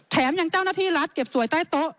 แถมยังเจ้าหน้าที่รัฐเก็บสวยใต้โต๊ะ